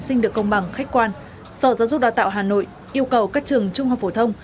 sinh được công bằng khách quan sở giáo dục đào tạo hà nội yêu cầu các trường trung học phổ thông